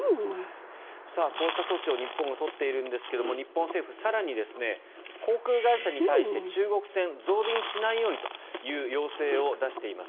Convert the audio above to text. こうした措置を日本が取っているんですが日本政府、更に航空会社に対して中国線を増便しないようにという要請を出しています。